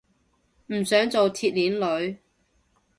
唔想做鐵鏈女